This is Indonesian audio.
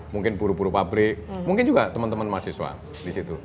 mungkin buru buru pabrik mungkin juga teman teman mahasiswa di situ